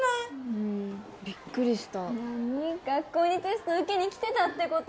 うんびっくりした学校にテスト受けに来てたってこと？